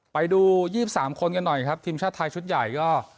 ไปดู๒๓คนกันหน่อยครับทีมชาติไทยชุดใหญ่ก็